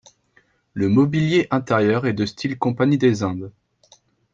Le mobilier intérieur est de style compagnie des Indes.